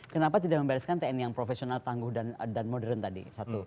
kenapa tidak membereskan tni yang profesional tangguh dan modern tadi